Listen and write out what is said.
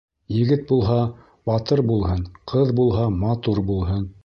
Егет булһа, батыр булһын, ҡыҙ булһа, матур булһын.